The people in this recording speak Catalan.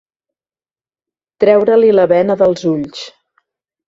Treure-li la bena dels ulls.